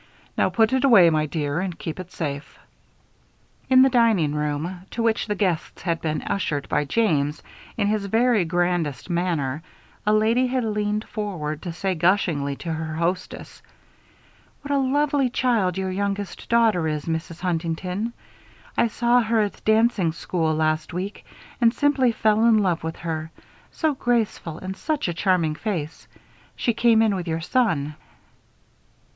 "Now, put it away, my dear, and keep it safe." In the dining room, to which the guests had just been ushered by James in his very grandest manner, a lady had leaned forward to say, gushingly, to her hostess: "What a lovely child your youngest daughter is, Mrs. Huntington. I saw her at dancing school last week and simply fell in love with her. So graceful and such a charming face. She came in with your son."